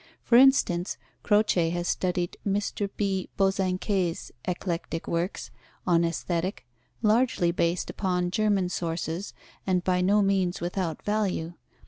For instance, Croce has studied Mr. B. Bosanquet's eclectic works on Aesthetic, largely based upon German sources and by no means without value.